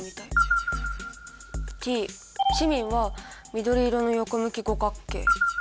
Ｔチミンは緑色の横向き五角形。